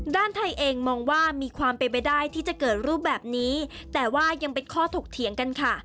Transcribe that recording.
ไทยเองมองว่ามีความเป็นไปได้ที่จะเกิดรูปแบบนี้แต่ว่ายังเป็นข้อถกเถียงกันค่ะ